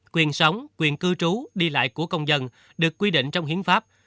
quyền sống quyền cư trú đi lại của công dân được quy định trong hiến pháp